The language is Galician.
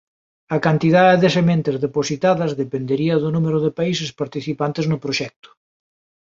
A cantidade de sementes depositadas dependería do número de países participantes no proxecto.